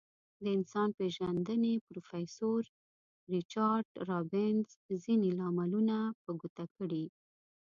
د انسان پیژندنې پروفیسور ریچارد رابینز ځینې لاملونه په ګوته کړي.